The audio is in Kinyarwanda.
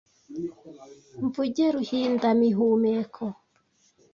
Mvuge ruhinda mihumeko,